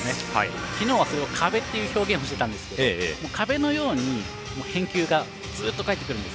昨日はそれを壁っていう表現をしていたんですけど壁のように返球がずっと返ってくるんです。